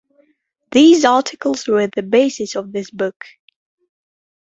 These articles were the basis of this book.